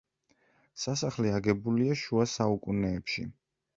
სასახლე აგებულია შუა საუკუნეებში.